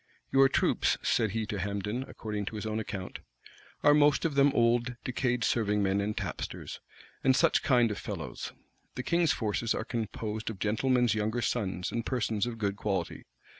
"Your troops," said he to Hambden, according to his own account,[*] "are most of them old, decayed serving men and tapsters, and such kind of fellows; the king's forces are composed of gentlemen's younger sons and persons of good quality.